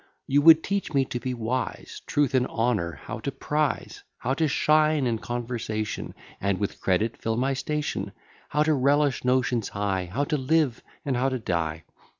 You would teach me to be wise: Truth and honour how to prize; How to shine in conversation, And with credit fill my station; How to relish notions high; How to live, and how to die.